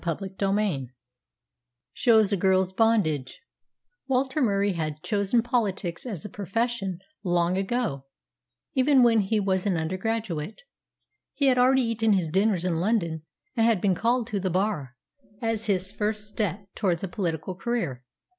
CHAPTER XVI SHOWS A GIRL'S BONDAGE Walter Murie had chosen politics as a profession long ago, even when he was an undergraduate. He had already eaten his dinners in London, and had been called to the Bar as the first step towards a political career.